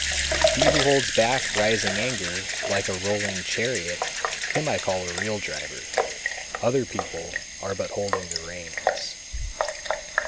222. He who holds back rising anger like a rolling chariot, him I call a real driver; other people are but holding the reins.